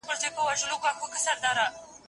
موږ د اسمان په توپانو کي ډېوې وساتلې